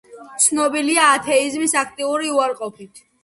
ცნობილია ათეიზმის აქტიური უარყოფით.